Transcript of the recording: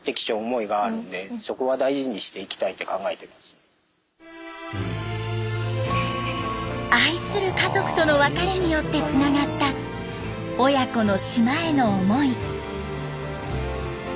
やはり愛する家族との別れによってつながった親子の島への思い。